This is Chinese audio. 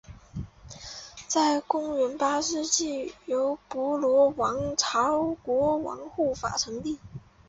在公元八世纪由波罗王朝国王护法成立。